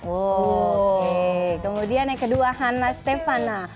oh kemudian yang kedua hana stefana